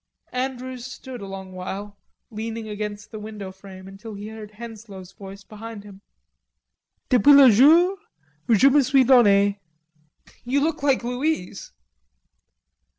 Andrews stood a long while leaning against the window frame, until he heard Henslowe's voice behind him: "Depuis le jour ou je me suis donnee." "You look like 'Louise.'"